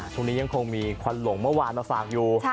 ทุกนี้ยังคงมีควันหลงเมื่อวานเราสั่งอยู่